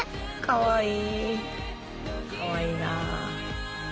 かわいい！